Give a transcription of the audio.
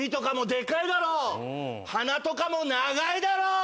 鼻とかも長いだろ。